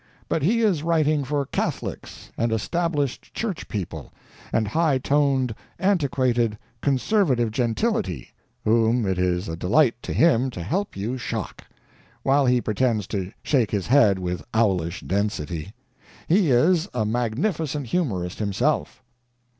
But he is writing for Catholics and Established Church people, and high toned, antiquated, conservative gentility, whom it is a delight to him to help you shock, while he pretends to shake his head with owlish density. He is a magnificent humorist himself.